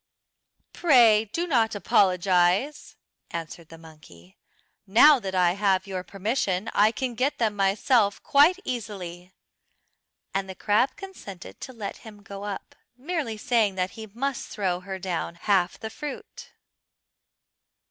"Pray do not apologise," answered the monkey. "Now that I have your permission I can get them myself quite easily." And the crab consented to let him go up, merely saying that he must throw her down half the fruit.